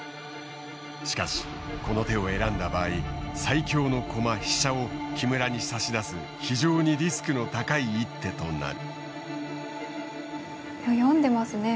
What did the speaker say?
しかしこの手を選んだ場合最強の駒飛車を木村に差し出す非常にリスクの高い一手となる。